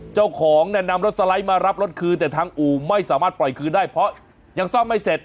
เจ้าของเนี่ยนำรถสไลด์มารับรถคืนแต่ทางอู่ไม่สามารถปล่อยคืนได้เพราะยังซ่อมไม่เสร็จ